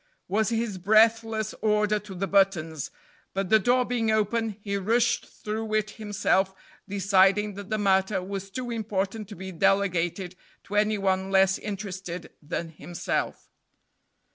was his breathless older to the buttons; but the door being open, he rushed through it himself, deciding that the matter was too important to be delegated to any one less interested than himself.